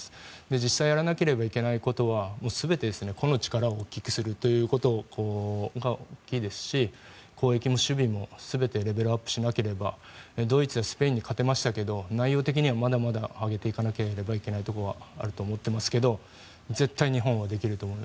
実際やらなければいけないことは全て、個の力を大きくするということが大きいですし攻撃も守備も全てレベルアップしなければドイツやスペインに勝てましたが内容的にはまだまだ上げていかなきゃいけないところはあると思っていますが絶対、日本はできると思います。